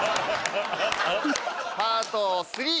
パート３。